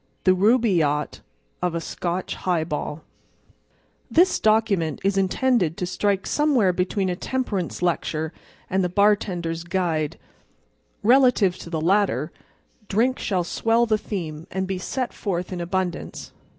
THE RUBAIYAT OF A SCOTCH HIGHBALL This document is intended to strike somewhere between a temperance lecture and the "Bartender's Guide." Relative to the latter, drink shall swell the theme and be set forth in abundance.